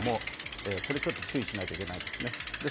これちょっと注意しないといけないんですね。